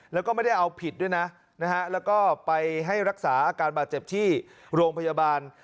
แล้วก็ไม่ได้เอาผิดด้วยนะนะฮะแล้วก็ไปให้รักษาอาการบาดเจ็บที่โรงพยาบาล